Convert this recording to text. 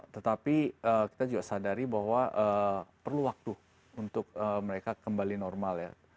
tetapi kita juga sadari bahwa perlu waktu untuk mereka kembali normal ya